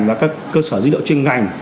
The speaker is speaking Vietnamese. và các cơ sở dữ liệu chuyên ngành